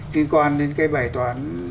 liên quan đến cái bài toán